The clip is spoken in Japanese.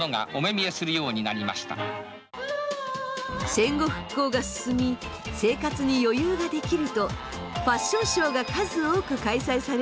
戦後復興が進み生活に余裕ができるとファッションショーが数多く開催されるように。